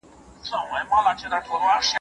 خو دلته دين واکمن و.